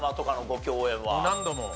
何度も。